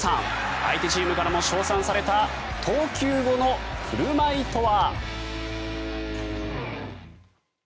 相手チームからも称賛された投球後の振る舞いとは。